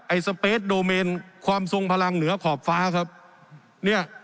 สเปสโดเมนความทรงพลังเหนือขอบฟ้าครับเนี่ย